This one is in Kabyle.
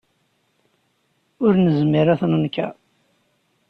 Ur nezmir ad t-nenkeṛ.